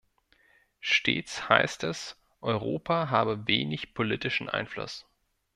Stets heißt es, Europa habe wenig politischen Einfluss.